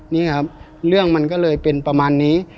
นี่ครับเรื่องมันก็เลยเป็นประมาณนี้